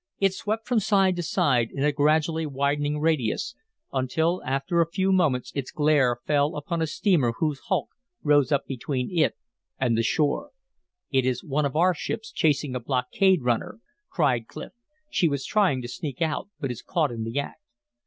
It swept from side to side in a gradually widening radius, until after a few moments its glare fell upon a steamer whose hulk rose up between it and the shore. "It is one of our ships chasing a blockade runner," cried Clif. "She was trying to sneak out, but is caught in the act."